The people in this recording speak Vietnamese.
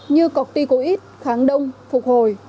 như corticoid kháng đông phục hồi